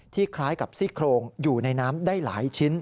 คล้ายกับซี่โครงอยู่ในน้ำได้หลายชิ้น